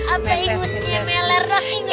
apa ibu si melar